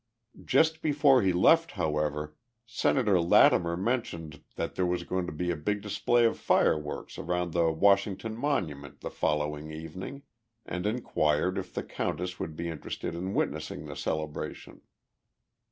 Just before he left, however, Senator Lattimer mentioned that there was going to be a big display of fireworks around the Washington Monument the following evening, and inquired if the countess would be interested in witnessing the celebration.